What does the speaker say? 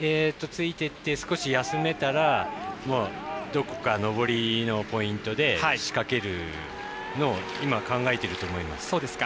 ついていって少し休めたらどこか、上りのポイントで仕掛けるのを考えてると思います。